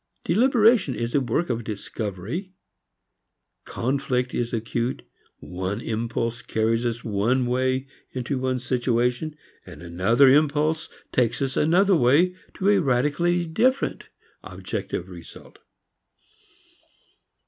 Deliberation is a work of discovery. Conflict is acute; one impulse carries us one way into one situation, and another impulse takes us another way to a radically different objective result.